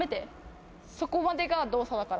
そこまでが動作だから。